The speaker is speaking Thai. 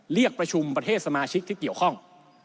เรียกประชุมประเทศสมาชิกที่เกี่ยวข้อง